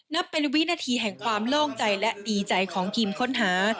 นับเป็นวินาทีแห่งความโล่งใจและดีใจของทีมค้นหา